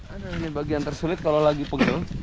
ada ini bagian tersulit kalo lagi pegel